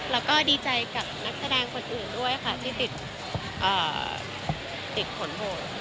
แล้วก็ดีใจกับนักแสดงคนอื่นด้วยค่ะที่ติดผลโหวต